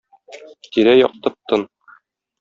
Тирә-як тып-тын.